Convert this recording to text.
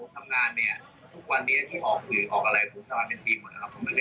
ท่านทุกสำนักพุทธ